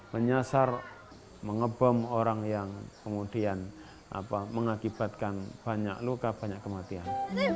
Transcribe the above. menyasar mengebom orang yang kemudian mengakibatkan banyak luka banyak kematian